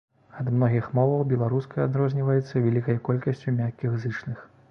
Ад многіх моваў беларуская адрозніваецца вялікай колькасцю мяккіх зычных.